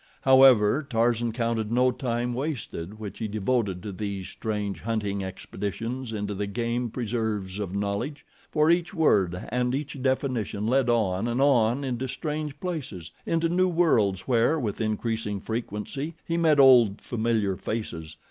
However, Tarzan counted no time wasted which he devoted to these strange hunting expeditions into the game preserves of knowledge, for each word and each definition led on and on into strange places, into new worlds where, with increasing frequency, he met old, familiar faces.